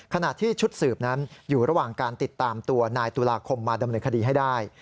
ขณะที่ชุดสืบนั้นอยู่ระหว่างการติดตามตัวนายตุลาคมมาดำเนินคดีให้ได้